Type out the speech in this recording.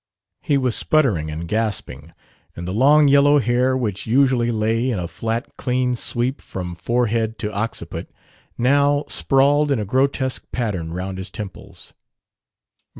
He was sputtering and gasping, and the long yellow hair, which usually lay in a flat clean sweep from forehead to occiput, now sprawled in a grotesque pattern round his temples.